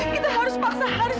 kita harus paksa haris